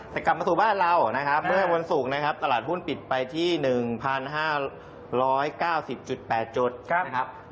แต่กลับมาสู่บ้านเรานะครับเมื่อวันศุกร์นะครับตลาดหุ้นปิดไปที่๑๕๙๐๘จุดนะครับ